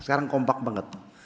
sekarang kompak banget